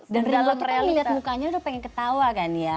dan ringo itu kan liat mukanya udah pengen ketawa kan ya